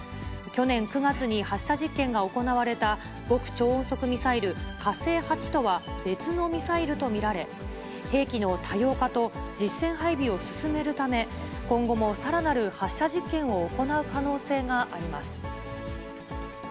去年９月に発射実験が行われた極超音速ミサイル、火星８とは別のミサイルと見られ、兵器の多様化と実戦配備を進めるため、今後もさらなる発射実験を行う可能性があります。